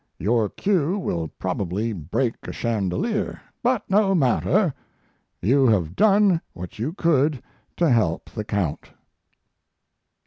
Your cue will probably break a chandelier, but no matter; you have done what you could to help the count.